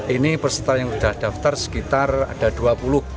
ini peserta yang sudah daftar sekitar ada dua puluh